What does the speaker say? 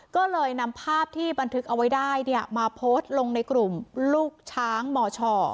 ก็เลยนำภาพที่บันทึกเอาไว้ได้มาโพสต์ลงในกลุ่มลูกช้างมช